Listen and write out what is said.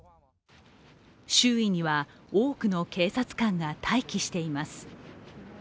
周囲には多くの警察官が待機しています。